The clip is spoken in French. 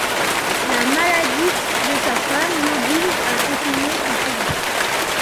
La maladie de sa femme l'oblige à continuer son séjour.